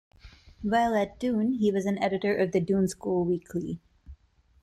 While at Doon, he was an editor of The Doon School Weekly.